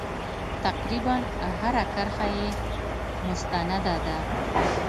تقریبا هره کرښه یې مستنده ده.